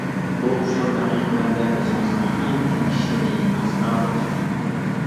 بۇ خۇشال دەقىقىلەردە ئۆزىڭىزنىڭ ئەڭ يېقىن كىشىلىرى يېنىڭىزدا بولسۇن!